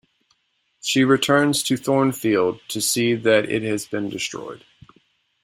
She returns to Thornfield to see that it has been destroyed.